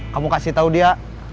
kamu kasih tau dia